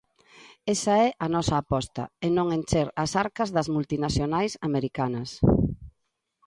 Esa é a nosa aposta, e non encher as arcas das multinacionais americanas.